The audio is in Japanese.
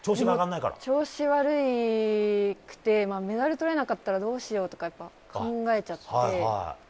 調子悪くてメダルとれなかったらどうしようとか考えちゃって。